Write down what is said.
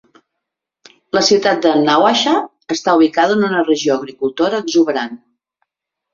La ciutat de Nawabshah està ubicada en una regió agricultora exuberant.